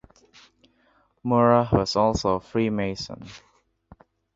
Murrah was also a Freemason.